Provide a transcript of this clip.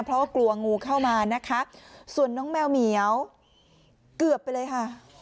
เพราะว่ากลัวงูเข้ามานะคะส่วนน้องแมวเหมียวเกือบไปเลยค่ะ